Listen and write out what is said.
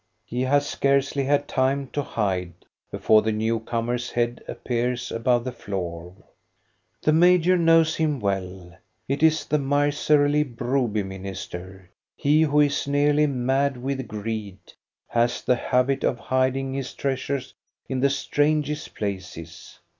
He has scarcely had time to hide before the new comer's head appears above the floor. The major knows him well ; it is the miserly Broby minister. He, who is nearly mad with greed, has the habit of hiding his treasures in the strangest places.